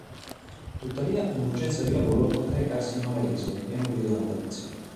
Tuttavia, un'urgenza di lavoro lo porta a recarsi in Malaysia, in pieno periodo natalizio.